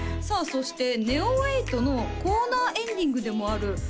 そしてＮＥＯ８のコーナーエンディングでもあるこの曲